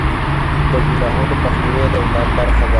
د ګناهونو مخنیوی د ایمان برخه ده.